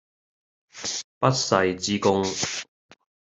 不世之功